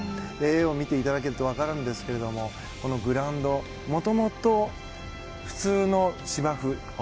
見ていただくと分かるんですがグラウンド、もともと普通の芝生。